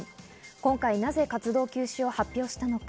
今回なぜ活動休止を発表したのか。